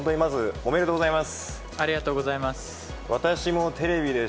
ありがとうございます。